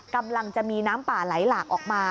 กำลังจะมีน้ำป่าไหลหลากออกมา